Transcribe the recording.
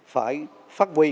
phải phát huy